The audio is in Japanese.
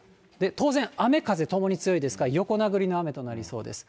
当然、雨風ともに強いですから、横殴りの雨となりそうです。